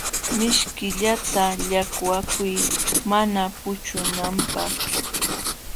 Mishkillata llaqwakuy mana puchunanpaq.